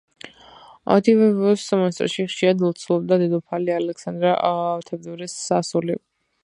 დივეევოს მონასტერში ხშირად ლოცულობდა დედოფალი ალექსანდრა თევდორეს ასული.